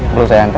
perlu saya hantar